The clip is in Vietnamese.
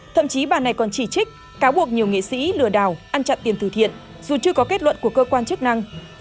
thậm chí bà này còn chỉ trích cáo buộc nhiều nghệ sĩ lừa đảo ăn chặn tiền từ thiện dù chưa có kết luận của cơ quan chức năng